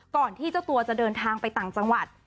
ที่เจ้าตัวจะเดินทางไปต่างจังหวัด